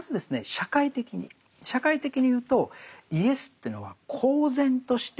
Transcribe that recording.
社会的に社会的に言うとイエスというのは公然として律法を破るわけです。